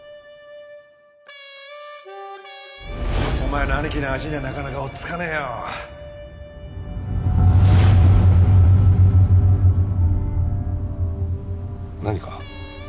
お前の兄貴の味にはなかなか追っつかねえよ。何か？